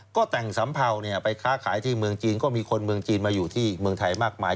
ก็แต่งสัมเภาไปค้าขายที่เมืองจีนก็มีคนเมืองจีนมาอยู่ที่เมืองไทยมากมาย